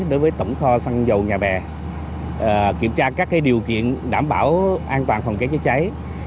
đối với tổng kho xăng dầu nhà bè kiểm tra các điều kiện đảm bảo an toàn phòng cháy chữa cháy